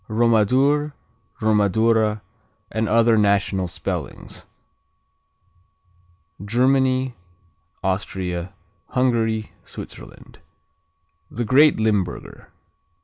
Romadour, Romadura, and other national spellings Germany, Austria, Hungary, Switzerland A great Linburger.